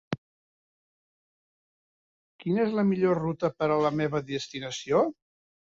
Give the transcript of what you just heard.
Quina és la millor ruta per a la meva destinació?